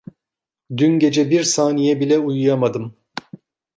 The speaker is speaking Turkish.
Dün gece bir saniye bile uyuyamadım.